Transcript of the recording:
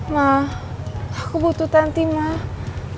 ma aku butuh tanti ma please